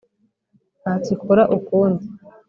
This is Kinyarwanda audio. Ntacyikora ukundi,